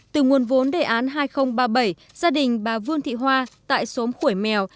từ nguồn vốn đề án hai nghìn ba mươi bảy gia đình bà vương thị hoa tại xóm khuổi mèo